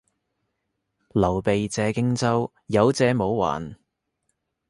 劉備借荊州，有借冇還